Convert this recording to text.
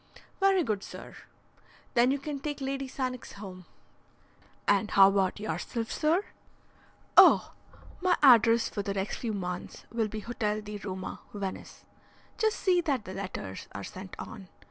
"Very good, sir." "Then you can take Lady Sannox home." "And how about yourself, sir?" "Oh, my address for the next few months will be Hotel di Roma, Venice. Just see that the letters are sent on.